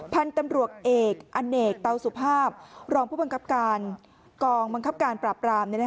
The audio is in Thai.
พันธุ์ตำรวจเอกอเนกเตาสุภาพรองผู้บังคับการกองบังคับการปราบราม